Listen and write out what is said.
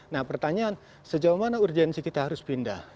nah pertanyaan sejauh mana urgensi kita harus pindah